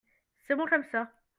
c'est bon comme ça.